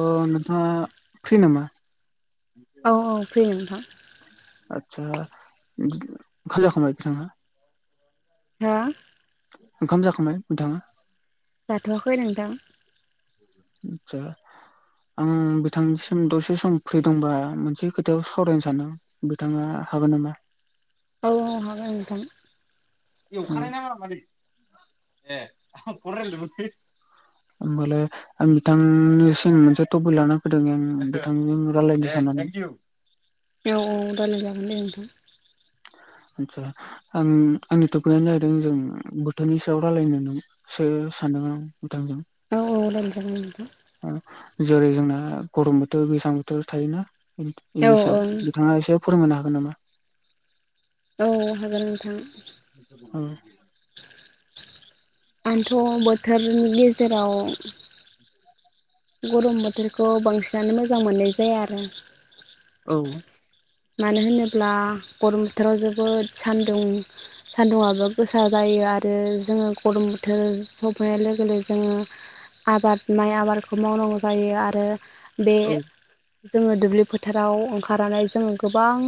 अ नोंथाङा फ्रि नामा? औ औ फ्रि नोंथां। आदसा [unintelligible] हा? ओंखाम जाखांबाय नोंथाङा? जाथ'वाखै नोंथां। आदसा आं बिथांनिसिम दसे सम फ्रि दंबा मोनसे खोथायाव सावरायनो सानदोंमोन बिथाङा हागोन नामा? औ औ हागोन नोंथां। उम होमबालाय आं बिथांनिसिम मोनसे टपिक लाना फैदों आं बिथांजों रायलायनो साननानै। औ औ रायलाय जागोन दे नोंथां। आदसा आं आंनि थपिकआनो जाहैदों जों बोथोरनि सायाव रायलायनो होननानै सो सानदों आं बिथांजों। औ औ रायलायजागोन दे नोंथा। जेरै जोंना गरम बोथोर गोजां बोथोर थायोना। औ बिनिसायाव ओं बिथाङा एसे फोरमायनो हागोन नामा? औ हागोन नोंथां। औ आंथ' बोथोरनि गेजेराव गरम बोथोरखौ बांसिनानो मोजां मोननाय जाया आरो औ मानो होनोब्ला गरम बोथोराव जोबोद सान्दुं सान्दुंङाबो गोसा जायो आरो जोङो गरम बोथोर सफैनाय लोगो लोगो जोङो आबाद माइ आबादखौ मावनांगौ जायो आरो बे औ जोङो दुब्लि फोथाराव ओंखारनानै जोङो गोबां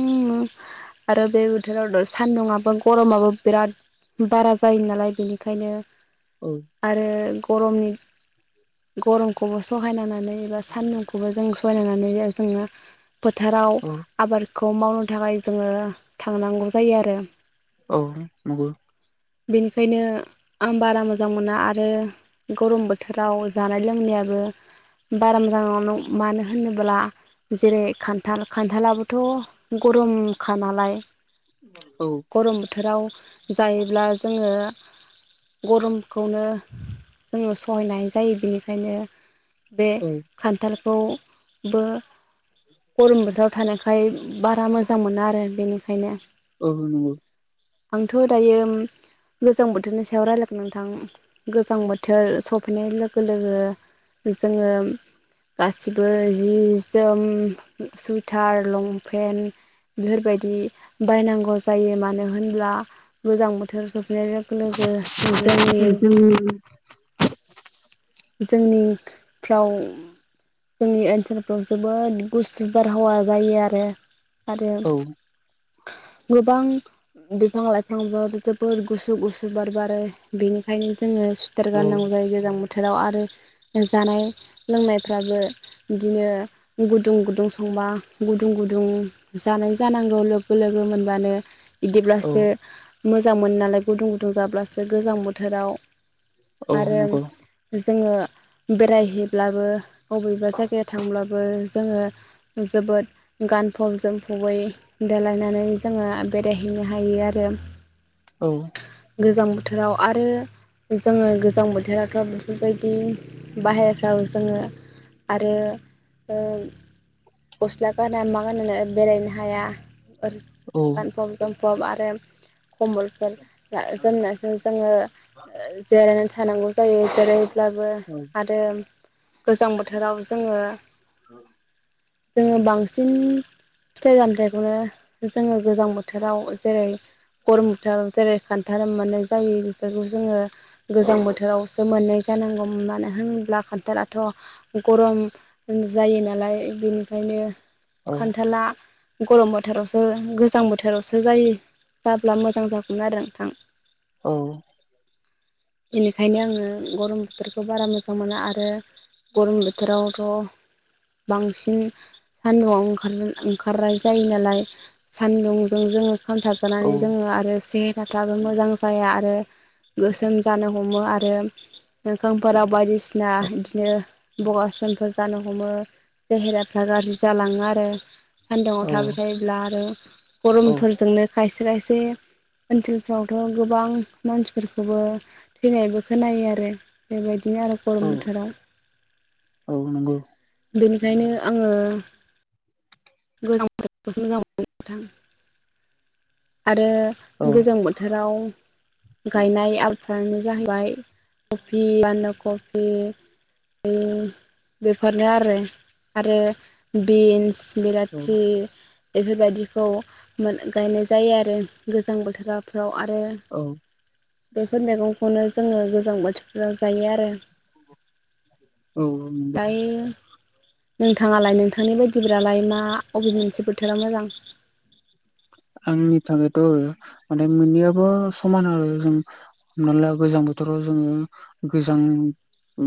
आरो बे बोथोरावथ'सानदुंङाबो गरमाबो बिराद बारा जायो नालाय बेनिखायनो औ आरो गरमनि गरमखौबो सहायनानानै बा सान्दुंखौबो जों सहायनानानै जोङो फोथाराव औ आबादखौ मावनो थाखाय जोङो थांनांगौ जायो आरो औ नंगौ। बेनिखायनो आं बारा मोजां मोना आरो गरम बोथोराव जानाय लोंनायाबो बारा मोजां नङा मानो होनोब्ला जेरै खान्थाल खान्थालाबो थ' गरमखा नालाय औ गरम बोथोराव जायोब्ला जोङो गरमखौनो जोङो सहायनो हायि जायो बेनिखायनो बे औ खान्थाल खौबो गरम बोथोराव थानाय ओय बारा मोजां मोना आरो बेनिखायनो। औ नंगौ। आं थ'दायो गोजां बोथोरनि सायाव रायज्लायगोन नोंथां गोजां बोथोर सफैनाय लोगो लोगो जोङो गासिबो जि जोम सुइटार लंपेन्ट बेफोरबायदि बायनांगौ जायो मानो होनब्ला गोजां बोथोर स फैनाय लोगो लोगो जोंनि उम। जोंनिफ्राव जोंनि ओनसोलफ्राव जोबोद गुसु बारहावा जायो आरो। आरो औ गोबां बिफां लाइफांबो जोबोद गुसु गुसु बार बारो बेनिखायनो जोङो सुइथार औ गाननांगौ जायो गोजां बोथोराव आरो जानाय लोंनायफ्राबो बिदिनो गुदुं गुदुं संबा गुदुं गुदुं जानाय जानांगौ लोगो लोगो मोनबानो। औ बिदिब्लासो मोजां मोनो नालाय गुदुं गुदुं जाब्लासो गोजां बोथोराव। औ आरो नंगौ जोङो बेरायहैब्लाबो बबेबा जायगायाव थांब्लाबो जोङो जोबोद गानफब जोमफबै देलायनानै जोङो बेरायहैनो हायो आरो। औ। गोजां बोथोराव आरो जोङो गोजां बोथोराथ' बेबायदि बाहेरफ्राव जोङो आरो ओ गस्ला गाना मा गानोनो बेरायनो हाया। आओर औ गानफब जोमफब आरोे खम्बलफोर जोमनायजों जोङो ओ जेरायनानै थानांगौ जायो। बेरायहैब्लाबो आरो गोजां बोथोराव जोङो जोङो बांसिन फिथाइ सामथाइखौनो जोङो गोजां बोथोराव जेरै गरम बोथाराव जेरै खान्थाल मोननाय जायो बेफोरखौ जोङो गोजां बोथोराव मोननाय जानांगौमोन मानो होनोब्ला खान्थालाथ' गरम जायो नालाय बेनिखायनो औ खान्थाला गरम बोथोरावसो गोजां बोथोरावसो जायो। जाब्ला मोजां जागौमोन आरो नोंथां। औ। बेनिखायनो आङो गरम बोथोरखौ बारा मोजां मोना आरो गरम बोथोरावथ' बांसिन सान्दुंआव ओंखार ओंखारनाय जायो नालाय सान्दुंजों जोङो खामथाब जानानै जोङो आरो से हेराफ्राबो मोजां जाया आरो गोसोम जानो हमो आरो मोखांफोराव बायदिसिना इदिनो बगास्रोमफोर जानो हमो सेहेराफ्रा गाज्रि जालाङो आरो। सान्दुङाव औ थाबाय थायोब्ला आरो गरमफोरजोंनो खायसे खायसे ओनसोलफ्रावथ' गोबां मानसिफोरखौबो थैनायबो खोनायो आरो ओ बेबायदिनो आरो औ गरम औ नंगौ बोथोराव। बेनिखायनो आङो गोजां बोथोरखौसो मोजां मोनो नोंथां आरो औ गोजां बोथोराव गायनाय आबादफ्रानो जाहैबाय कफि, बानदा कफि बेफोरनो आरो। आरो बिन्स, औ बिलाथि बेफोरबायदिखौ मोनो गायनाय जायो आरो गोजां बोथोराव। रैआरो बेफोर मैगंखौनो जोङो गोजां बोथोरफ्राव जायो आरो। औ [unintelligible] दायो नोंथाङालाय नोंथांनि बायदिबालाय ना अबे मोनसे बोथोरा मोजां? आंनि थाखायथ' आरो माने मोननैयाबो समान आरो जों हमना ला गोजां बोथोराव जोङो गोजाङो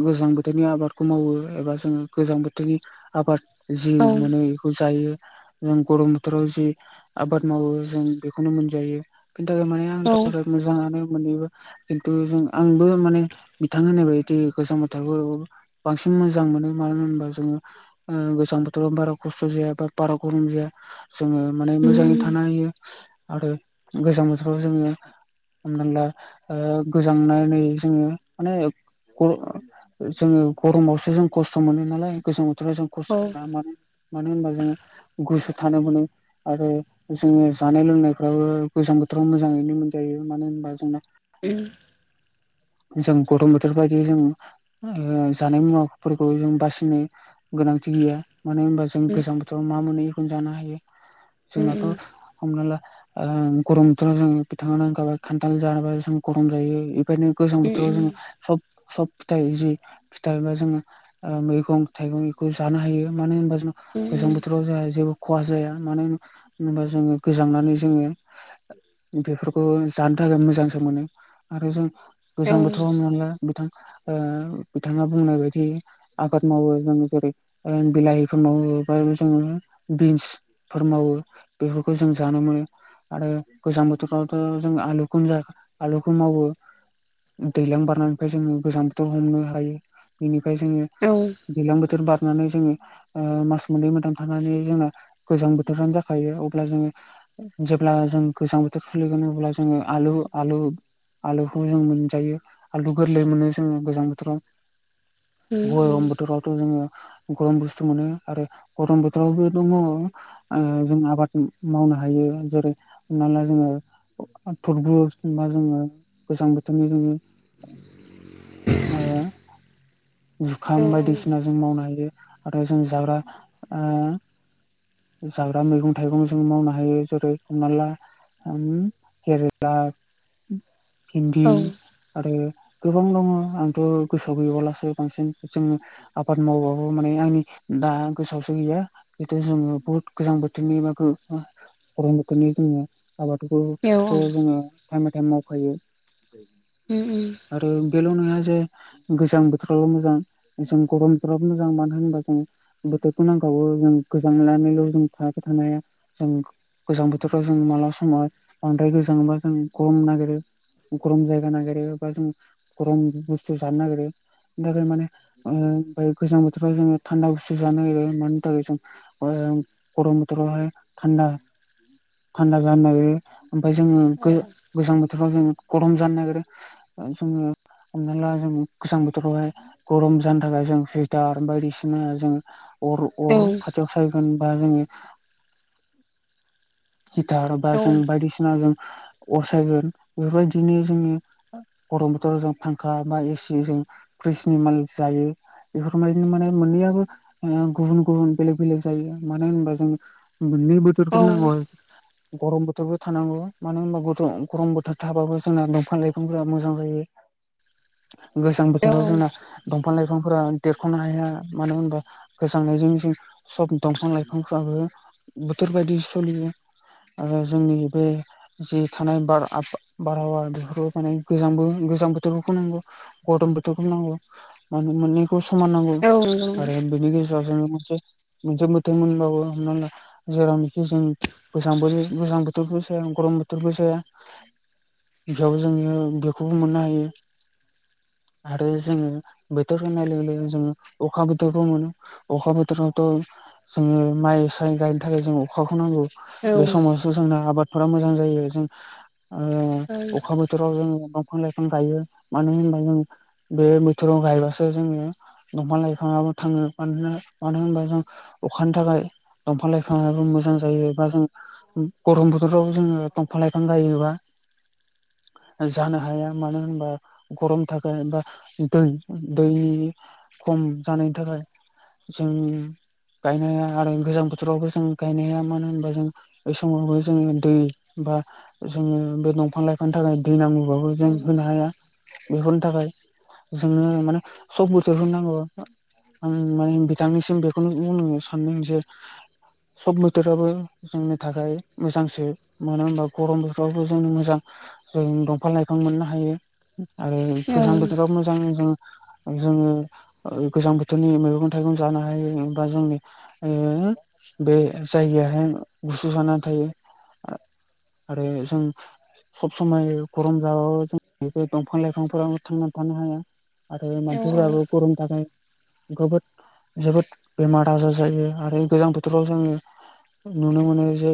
गोजां बोथोरनि आबादखौ मावो एबा जोङो गोजां बोथोरनि आबाद जि औ मोनो इखौ जायो जों गरम बोथोराव जि आबाद मावो जों बेखौनो मोनजायो बेनि थाखाय माने आंनि औ थाखाय मोजाङानो। मोनैबो खिन्थु जों आंबो माने बिथां होननाय बायदि गोजां बोथोखौ बांसिन मोजां मोनो मानो होनोबा जोङो। ओ गोजां बोथोराव बारा खस्थ' जाया बा बारा गरम जाया जोंङो माने उम मोजाङै थानो हायो। आरो गोजां बोथोराव जोङो। हमनानैला ओ गोजांनानै जोङो माने ग जोङो गरमावसो जों खस्थ' मोनो नालाय गोजां बोथोराव जों खस औ मानो मानो होनबा जोङो गुसु थानो मोनो आरो जोङो जानाय लोंनायफ्राबो गोजां बोथोराव मोजाङैनो मोनजायो मानो होनबा जोंना। [unintelligible] जों गथम बोथोर बायदि जों ओ जानाय मुवाफोरखौ जों बासिनो गोनांथि गैया मानो होनबा जो जों उम उम गोजां बोथोराव मा मोनो इखौनो जानो हायो उम जोंनाथ' हमना ला ओ गरम बोथोराव जो बिथाङानो खान्थाल जानाबा जों गरम जायो इखायनो गोजां उम बोथोराव उम जोङो सब सब फिथाइजै फिथाइबा जोङो। ओ मैगं थाइगं इखौ जानो हायो मानो होनबा जों औ गोजां बोथोराव जोंहा जेबो खहा जाया मानो होन होनबा जोङो गोजांनानै जोङो। बेफोरखौ जानो थाखाय मोजांसो मोनो आरो जों गोजां बोथोराव मोनला बिथां ओ बिथाङा बुंनाय बायदि आबाद मावो जों जेरै ओ बिलाय [unintelligible] जोङो बिन्स फोर मावो बेफोरखौ जों जानो मोनो आरो गोजां बोथोरावथ' जों आलुखौनो जा आलुखौ मावो दैलां बारनायनिफ्राय जोङो गोजां बोथोर हमनो हायो बेनिफ्राय जोङो औ। दैज्लां बोथोर बारनानै जोङो ओ मास मोननै मोदां थानानै जोंना गोजां बोथोरानो जा खायो अब्ला जोङो जेब्ला जों गोजां बोथोर सलिगोन अब्ला जोङो आलु आलु आलुखौ जों मोनजायो आलु गोरलै मोनो जोङो गोजां बोथोराव। गयरम औ बोथोराव थ जोङो गरम बुस्थु मोनो आरो गरम बोथोरावबो दङ ओ जों आबाद मावनो हायो जेरै हमना ला जोङो थरबुज बा जोङो गोजां बोथोरनि जोङो ओ जुखाम बायदिसिना जों मावनानै हाथाय जों जाग्रा ओ जा दा मैगं थाइगं जों मावनो हायो जेरै हमना ला ओम केेरेला भिन्दि आरो गोबां दङ आंथ' गोसोआव गैयलासो बांसिन जोङो आबाद मावबाबो माने आंनि दा गोसोआवसो गैया खिथु जोङो बुहुद गोजां बोथोरनि बा गरम बोथोरनि जोङो आबादफोरखौ जोङो टाइम बाय टाइम मावखायो। उम उम आरो बेल' नङा जे गोजां बोथोरावाल' मोजां जों गरम बोथोराबो मोजां मानो होनबा जों बोथोरखौ नांखाबौ जों गोजांनानैल' जों थाबाय थानो हाया जों गोजां बोथोराव जों मालाब समाव बांद्राय गोजाङोबा जों गरम नागिरो। गरम जायगा नागिरो बा जों गरम बुस्थु जानो नागिरो बेनि थाखाय माने ओ गोजां बोथोराव जोङो थान्दा गुसु जानो नागिरो मानि थाखाय जों। [unintelligible] गरम बोथोरावहाय थान्दा थान्दा जानो नागेरो ओमफ्राय जोङो गो गोजां बोथोराव जों गरम जानो नागिरो जोङो हमना ला जों गोजां बोथोरावहाय गरम जानो थाखाय जों सुयटार बायदिसिना जों अर अर खाथियाव सायगोन बा जोङो हिटार बा जों बायदिसिना जों अरसायगोन बेफोरबायदिनो जोङो गरम बोथोराव जों फांखा बा एसि जों फ्रिजनि मलि जायो। बेफोरबायदिनो माने मोननैयाबो गुबुन गुबुन बेलेग बेलेग जायो मानो होनबा जों मोननै बोथोरखौबो नांगौ। गरम बोथोरबो थानांगौ मानो होनबा गरम बोथोर थाबाबो जोंना दंफां लाइफांफोरा मोजां जायो। [inaudible] गोजां बोथोराव जोंना दंफां लाइफांफोरा देरख'नो हाया मानो होनबा गोजांनायजों जों सब दंफां लाइफां [unintelligible] बोथोर बायदि सोलियो आरो जोंनि बे जि थानाय बार बारहावा बेफोरबो माने गोजां गोजां बोथोरफोरखौ नांगौ। गरम बोथोरखौ नांगौ मानो मोनि खौ समान नांगौ आरो बेनि गेजेराव जोङो मोनसे मोनसे मोथोर मोनबाबो। [unintelligible] [unintelligible] जोङो बेखौबो मोननो हायो। आरो जोङो बोथोर होननाय लोगो लोगो जोङो अखा बोथोरबो मोनो। अखा बोथोरावथ' जोङो माइ साइ गायनो थाखाय जों अखाखौ नांगौ औ बे समाव जोंना आबादफोरा मोजां जायो जों ओ अखा बो बोथोराव जोङो दंफां लाइफां गायो मानो होनबा जों बे बोथोराव गायबासो जोङो दंफां लाइफाङाबो थाङो मानो होनबा जों अखानि थाखाय दंफां लाइफाङाबो मोजां जायो एबा जों गरम बोथोराव जोङो दंफां लाइफां गायोबा जानो हाया मानो होनबा गरम थाखाय बा दै- दैनि खम जानायनि थाखाय जों गायनाया आरो गोजां बोथोरावबो जों गायनाया मानो होनोबा जों बै समावबो जोङो दै बा जोङो बे दंफां लाइफां थाखाय दै नांगौबाबो जों होनो हाया बेफोरनि थाखाय। जोंनो माने सब बोथोर नांगौ आरोना। आं माने बिथांनिसिम बेखौनो बुंनो सानदों जे सब बोथोराबो जोंनि थाखाय मोजांसो मानो होनबा गरम बोथोरावबो जों मोजां जों दंफां लाइफां मोननो हायो आरो गोजां बोथोरावबो गोबां जों जोङो गोजां बोथोरनि मैगं थाइगं जानो हायो एबा जोंनि ओह बे जायगायाहाय गुसु जानानै थायो। आरो जों सब समाय गरम जाबाबो जों बे दंफां लाइफांफोराव थांनानै थानो हाया। आरो मानसिफोराबो गरमनि थाखाय गोबोद जोबोद बेमार साजा जायो आरो गोजां बोथोराव जोङो नुनो मोनो जे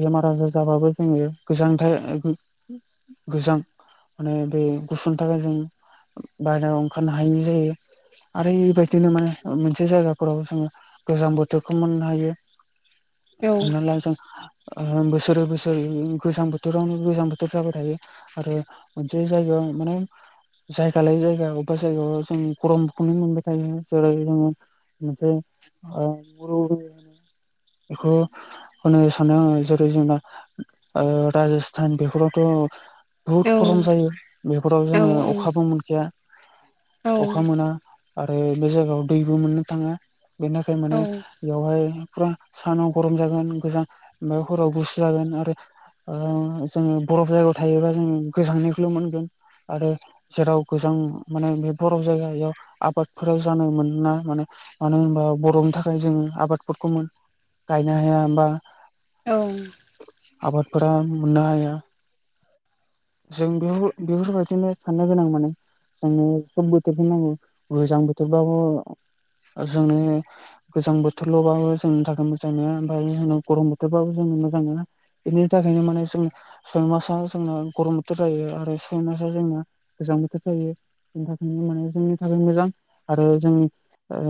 बेमार आजार जाबाबो जोङो गोजांथाइ गोजां माने बे गुसुनि थाखाय जों बायेरायाव ओंखारनो हायैनि जायो। आरो इ बायदियावनो माने मोनसे जायगाफोराव जोङो गोजां बोथोरखौ मोननो हायो हमना ला जों ओ बोसोरै बोसोरै गोजां बोथोरावनो गोजां बोथोर जाबाय थायो। आरो मोनसे जायगायाव माने जायगा लायै जायगा अबेबा जायगायाव जों गरमखौनो मोनबाय थायो जेरै जोङो बे ओ [unintelligible] होननो सानो आङो जेरै जोंना ओ राजस्थान बेफोरावथ' बुहुद गरम जायो बेफोराव जोङो अखाबो मोनखाया अखा मोना आरो बे जायगायाव दैबो मोननो थाङा बेनि थाखाय माने बेयावहाय गरम सानाव गरम जागोन गोजां ओमफ्राय हराव गुसु जागोन आरो ओ जोङो बरफ जायगायाव थायोबा जोङो गोजांनायखौल' मोनगोन आरो जेराव गोजां माने बे बरफ जायगायाव आबादफोराव जानाय मोनोना माने मानो होनबा बरफनि थाखाय जोङो आबादफोरखौ मोननो हाया बा गायनो हाया बा औ आबादफोरा मोननो हाया। जों बेफोर बेफोरबायदिनो साननो गोनां माने जोंनो सब बोथोरखौनो नांगौ गोजां बोथोरबाबो जोंनो गोजां बोथोरल'बाबो जोंनि थाखाय मोजां नङा ओमफ्राय जों गरम बोथोरबाबो जों मोजां नङा। बेनि थाखायनो माने जों सयमासा जोंना गरम बोथोर जायो आरो सय मासाव जोंना गोजां बोथोर जायो। बेनि थाखायनो माने जोंनि थाखाय मोजां आरो जों ओ